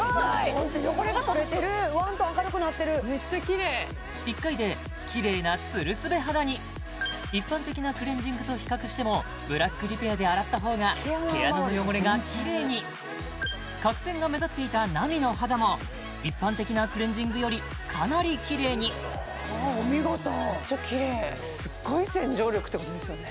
ホント汚れが取れてるワントーン明るくなってるめっちゃキレイ１回でキレイなツルスベ肌に一般的なクレンジングと比較してもブラックリペアで洗った方が毛穴の汚れがキレイに角栓が目立っていたなみの肌も一般的なクレンジングよりかなりキレイにお見事めっちゃキレイすっごい洗浄力ってことですよね